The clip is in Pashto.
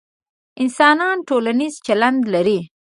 انسانان ټولنیز چلند لري،